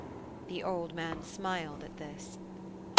The old man smiled at this.